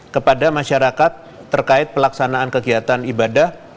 kepada masyarakat terkait pelaksanaan kegiatan ibadah